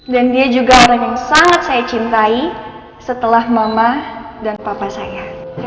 dan dia juga orang yang sangat saya cintai setelah mama dan papa saya